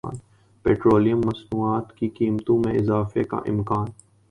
petroleum مصنوعات کی قیمتوں میں اضافے کا امکان